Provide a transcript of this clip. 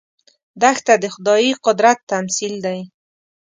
دښته د خدايي قدرت تمثیل دی.